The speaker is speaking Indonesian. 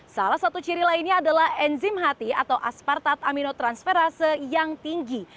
salah satu ciri lainnya adalah enzim hati atau aspartat aminotransferase yang tinggi